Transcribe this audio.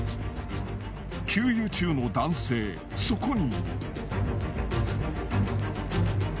給油中の男性そこに。